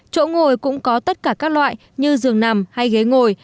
chỗ ngồi cũng có tất cả các loại như giường nằm hay ghế ngồi